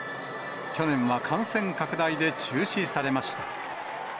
去年は感染拡大で中止されました。